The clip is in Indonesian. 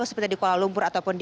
seperti di kuala lumpur ataupun di